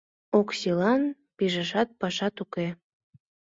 Оксилан пижашат пашат уке.